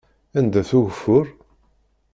Anda-t ugeffur?